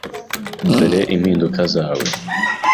Dore impinduka zawe.